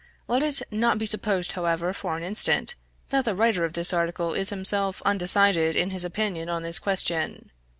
Let it not be supposed, however, for an instant, that the writer of this article is himself undecided in his opinion on this question.